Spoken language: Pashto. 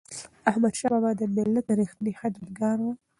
احمدشاه بابا د ملت ریښتینی خدمتګار و.